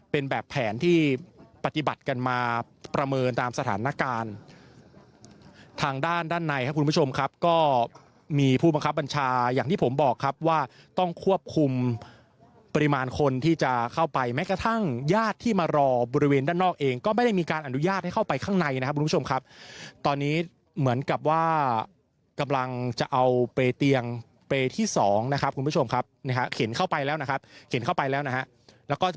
เป็นแบบแผนที่ปฏิบัติกันมาประเมินตามสถานการณ์ทางด้านด้านในครับคุณผู้ชมครับก็มีผู้บังคับบัญชาอย่างที่ผมบอกครับว่าต้องควบคุมปริมาณคนที่จะเข้าไปแม้กระทั่งญาติที่มารอบริเวณด้านนอกเองก็ไม่ได้มีการอนุญาตให้เข้าไปข้างในนะครับคุณผู้ชมครับตอนนี้เหมือนกับว่ากำลังจะเอาเปรตเตียงเปรตที่ส